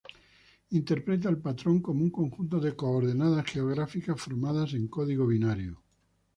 Interpreta el patrón como un conjunto de coordenadas geográficas formadas en código binario.